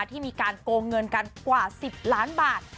ที่มีการโกงเงินกันกว่า๑๐ล้านบาท